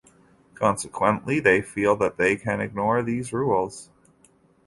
Consequently, they feel that they can ignore these rules.